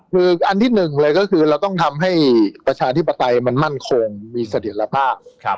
คืออันที่หนึ่งเลยก็คือเราต้องทำให้ประชาธิปไตยมันมั่นคงมีเสถียรภาพ